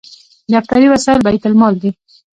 دفتري وسایل بیت المال دي